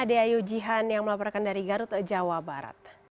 daya ujihan yang melaporkan dari garut jawa barat